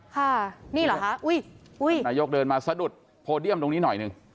ค่ะนี่เหรอคะอุ้ยนายกเดินมาสะดุดโพเดียมตรงนี้หน่อยหนึ่ง